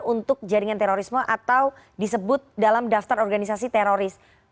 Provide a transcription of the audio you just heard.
untuk jaringan terorisme atau disebut dalam daftar organisasi teroris